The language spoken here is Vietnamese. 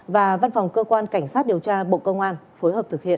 và văn phòng cơ quan cảnh sát điều tra bộ công an phối hợp thực hiện